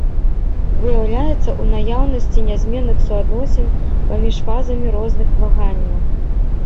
Выяўляецца ў наяўнасці нязменных суадносін паміж фазамі розных ваганняў.